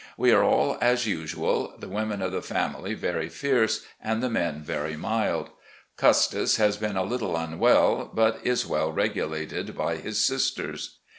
We are all as usual — ^the women of the family very fierce and the men very mild. Custis has been a little unwell, but is well regulated by his sisters.